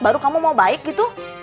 baru kamu mau baik gitu